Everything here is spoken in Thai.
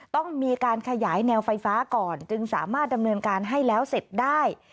ต้องมีการขยายแนวไฟฟ้าก่อนจึงสามารถดำเนินการให้แล้วเสร็จได้